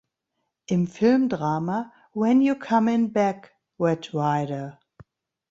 Im Filmdrama "When You Comin' Back, Red Ryder?